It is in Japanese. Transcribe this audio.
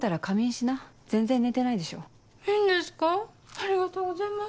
ありがとうございます。